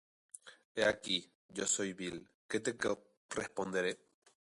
He aquí que yo soy vil, ¿qué te responderé?